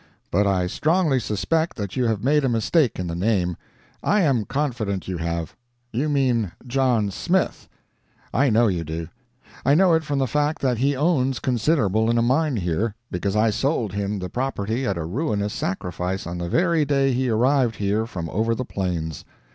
But I strongly suspect that you have made a mistake in the name; I am confident you have; you mean John Smith—I know you do; I know it from the fact that he owns considerable in a mine here, because I sold him the property at a ruinous sacrifice on the very day he arrived here from over the plains.